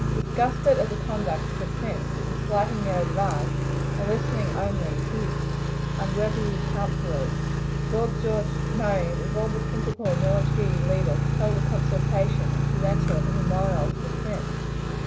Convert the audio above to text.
Disgusted at the conduct of the prince in slighting their advice and listening only to his unworthy counsellors, Lord George Murray with all the principal military leaders held a consultation, and presented a memorial to the prince.